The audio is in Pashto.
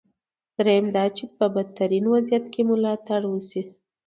درېیم دا چې په بدترین وضعیت کې ملاتړ وشي.